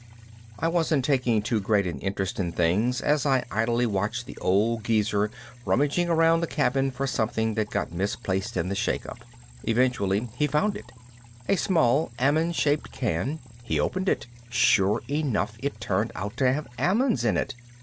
I still wasn't taking too great an interest in things as I idly watched the old geezer rummaging around the cabin for something that got misplaced in the shake up. Eventually he found it a small almond shaped can. He opened it. Sure enough it turned out to have almonds in it.